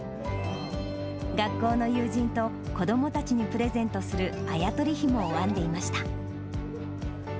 学校の友人と、子どもたちにプレゼントするあや取りひもを編んでいました。